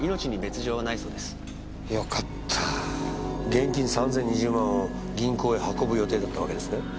現金３０２０万を銀行へ運ぶ予定だったわけですね？